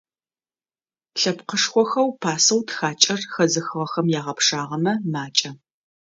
Лъэпкъышхохэу пасэу тхакӏэр хэзыхыгъэхэм ягъэпшагъэмэ - макӏэ.